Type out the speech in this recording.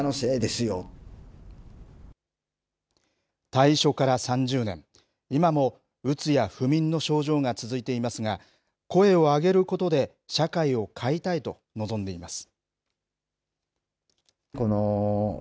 退所から３０年、今もうつや不眠の症状が続いていますが、声を上げることで社会を変えたいと望んでいます。